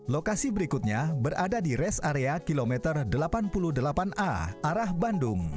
lokasi berikutnya berada di rest area kilometer delapan puluh delapan a arah bandung